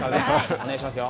お願いしますよ。